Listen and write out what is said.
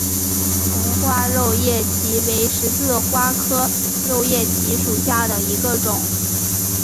红花肉叶荠为十字花科肉叶荠属下的一个种。